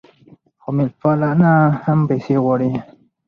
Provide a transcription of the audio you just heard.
خو میلمه پالنه هم پیسې غواړي.